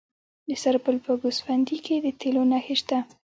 د سرپل په ګوسفندي کې د تیلو نښې شته.